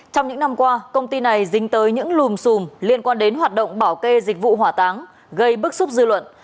trong những năm qua công ty này dính tới những lùm xùm liên quan đến hoạt động bảo kê dịch vụ hỏa táng gây bức xúc dư luận